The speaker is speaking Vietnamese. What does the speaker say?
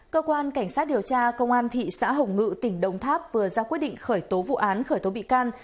cơ quan cảnh sát điều tra công an thị xã hồng ngự tỉnh đồng tháp vừa ra quyết định khởi tố vụ án khởi tố bị can